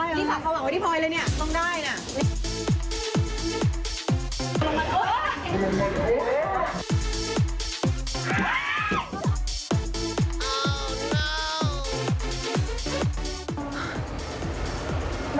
นี่ฝากเขาบอกว่าที่พลอยเลยเนี่ยต้องได้นะ